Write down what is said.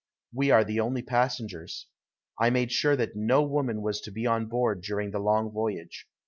We are the only passengers. I made sure that no woman was to be on board during the long voyage.